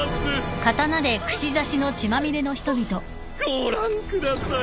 ご覧ください。